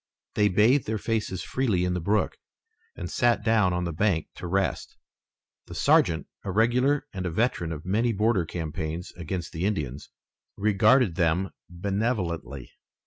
They bathed their faces freely in the brook, and sat down on the bank to rest. The sergeant, a regular and a veteran of many border campaigns against the Indians, regarded them benevolently.